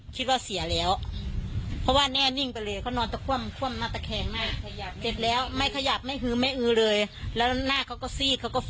คิดว่าเสียแล้วเพราะว่าแน่นิ่งไปเลยเขานอนตะคว่ำหน้าตะแคงหน้า